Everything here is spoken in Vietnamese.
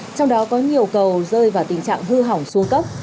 trong đó có nhiều cầu rơi vào tình trạng hư hỏng xuống cấp